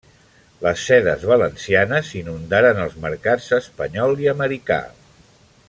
Les sedes valencianes inundaren els mercats espanyol i americà.